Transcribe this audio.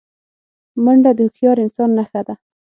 منډه د هوښیار انسان نښه ده